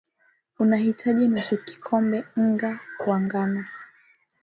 utahitaji nusu kikombe nga wa ngano